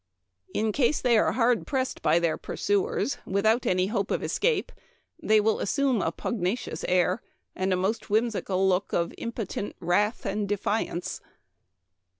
In case they are hard pressed by their pursuers, without any hope of escape, they will Memoir of Washington Irving. 227 assume a pugnacious air, and a most whimsical look of impotent wrath and defiance.